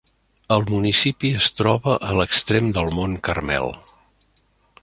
El municipi es troba a l'extrem del Mont Carmel.